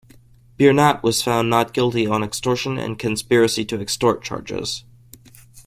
Biernat was found not guilty on extortion and conspiracy to extort charges.